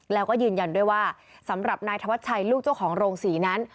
แล้วก็ยืนยันด้วยว่าสำหรับนายธวัชชัยลูกเจ้าของโรงศรีนั้น